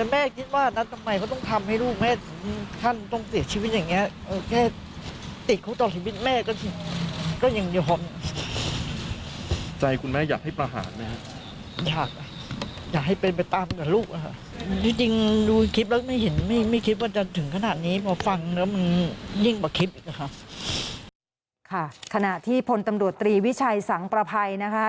มันยิ่งประคิดอีกนะคะค่ะขณะที่พลตำรวจตรีวิชัยสังประภัยนะคะ